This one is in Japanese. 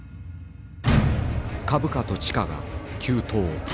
株価と地価が急騰。